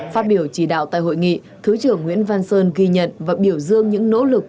phát biểu chỉ đạo tại hội nghị thứ trưởng nguyễn văn sơn ghi nhận và biểu dương những nỗ lực